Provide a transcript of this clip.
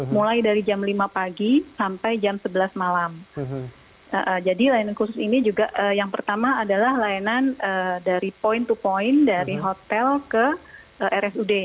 mulai dari jam lima pagi sampai jam sebelas malam jadi layanan khusus ini juga yang pertama adalah layanan dari point to point dari hotel ke rsud